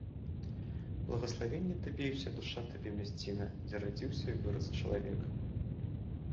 Благаславенне табе і ўся душа табе, мясціна, дзе радзіўся і вырас чалавек.